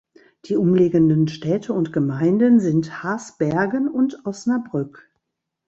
Die umliegenden Städte und Gemeinden sind Hasbergen und Osnabrück.